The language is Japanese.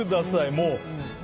もう。